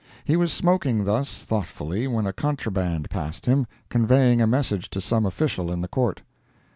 He was smoking thus thoughtfully when a contraband passed him, conveying a message to some official in the Court.